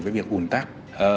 cái việc ủn tắc